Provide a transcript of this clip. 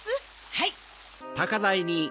はい！